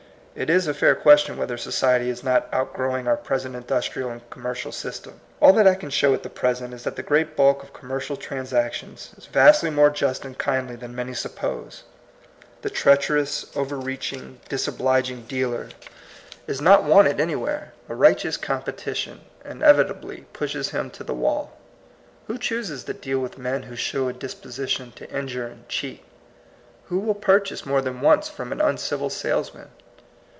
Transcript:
It is a fair question whether society is not outgrowing our present industrial and com mercial system. All that I can show at present is that the great bulk of commer cial transactions is vastly more just and kindly than many suppose. The treacher ous, overreaching, disobliging dealer is not 18 THE COMING PEOPLE. wanted anywhere. A righteous competi tion inevitably pushes him to the wall. Who chooses to deal with men who show a disposition to injure and cheat? Who will purchase more than once from an un civil salesman?